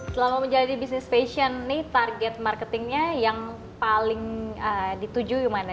selama menjadi bisnis fashion target marketingnya yang paling dituju kemana